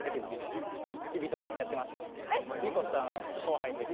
２コ下の後輩です。